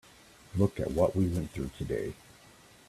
Look at what we went through today.